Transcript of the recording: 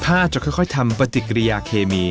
ถ้าจะค่อยทำปฏิกิริยาเคมี